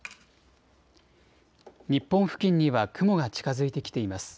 日本付近には雲が近づいてきています。